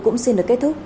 cũng xin được kết thúc